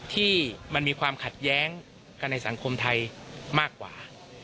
ที่มันมีความขัดแย้งกันในสังคมไทยมากกว่า